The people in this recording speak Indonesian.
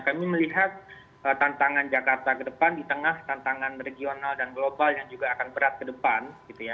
kami melihat tantangan jakarta ke depan di tengah tantangan regional dan global yang juga akan berat ke depan